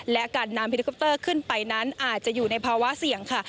และการนำเฮลิคอปเตอร์ขึ้นไปนั้นอาจจะอยู่ในภาวะเสี่ยงค่ะ